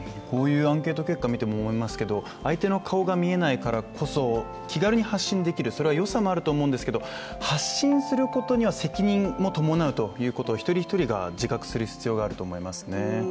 こういうアンケート結果を見ても思いますけど相手の顔が見えないからこそ気軽に発信できる、それはよさもあると思うんですけど発信することには責任も伴うということを１人１人が自覚する必要があると思いますね。